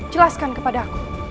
jelaskan kepada aku